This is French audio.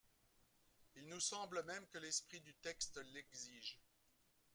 Il nous semble même que l’esprit du texte l’exige.